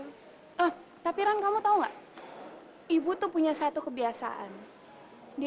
ingin kita tuh dibawain aja iya tapi kamu tahu nggak ibu tuh punya satu kebiasaan dia